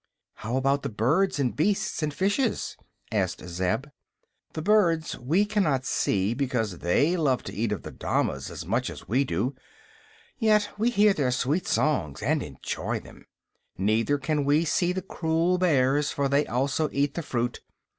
"How about the birds and beasts and fishes?" asked Zeb. "The birds we cannot see, because they love to eat of the damas as much as we do; yet we hear their sweet songs and enjoy them. Neither can we see the cruel bears, for they also eat the fruit.